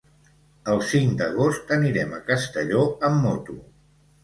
El cinc d'agost anirem a Castelló amb moto.